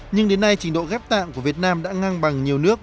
nhưng đến nay trình độ ghép tạng của việt nam đã ngang bằng nhiều nước